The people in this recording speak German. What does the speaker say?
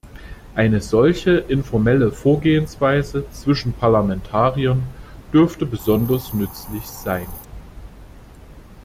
Eine solche informelle Vorgehensweise zwischen Parlamentariern dürfte besonders nützlich sein.